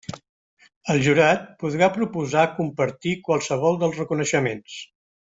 El jurat podrà proposar compartir qualsevol dels reconeixements.